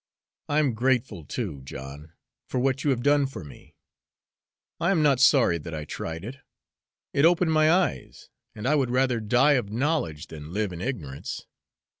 I'm grateful, too, John, for what you have done for me. I am not sorry that I tried it. It opened my eyes, and I would rather die of knowledge than live in ignorance.